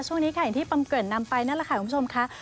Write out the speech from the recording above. ช่วงนี้ค่ะอย่างที่ปอมเกิดนำไปนั่นแหละค่ะคุณผู้ชมค่ะ